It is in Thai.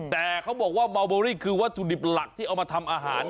แต่เขาบอกว่าเมาโบรี่คือวัตถุดิบหลักที่เอามาทำอาหาร